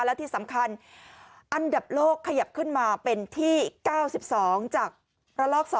และที่สำคัญอันดับโลกขยับขึ้นมาเป็นที่๙๒จากระลอก๒